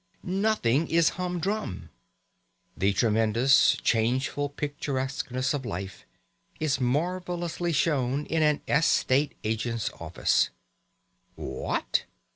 Nothing is humdrum. The tremendous, changeful picturesqueness of life is marvellously shown in an estate agent's office. What!